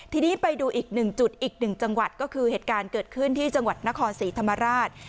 ทีนี้ไปดูอีกหนึ่งจุดอีกหนึ่งจังหวัดก็คือเหตุการณ์เกิดขึ้นที่จังหวัดนครศรีธรรมราช